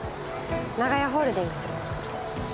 長屋ホールディングス。